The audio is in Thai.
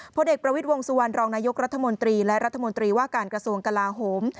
เด็กประวิทย์วงสุวรรณรองนายกรัฐมนตรีและรัฐมนตรีว่าการกระทรวงกลาโหม